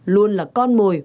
luôn là con mồi